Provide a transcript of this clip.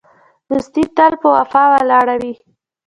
دوستي تل په وفا ولاړه وي.